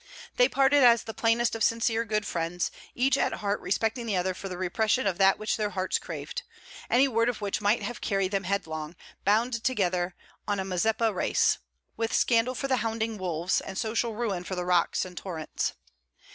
They parted as the plainest of sincere good friends, each at heart respecting the other for the repression of that which their hearts craved; any word of which might have carried them headlong, bound together on a Mazeppa race, with scandal for the hounding wolves, and social ruin for the rocks and torrents.